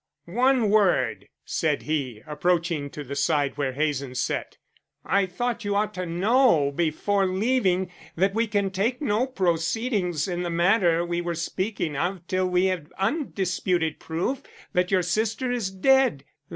"One word," said he, approaching to the side where Hazen sat. "I thought you ought to know before leaving that we can take no proceedings in the matter we were speaking of till we have undisputed proof that your sister is dead.